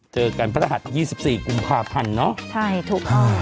เจอกันพระราชยี่สิบสี่กุมภาพันธ์เนอะใช่ทุกคนค่ะ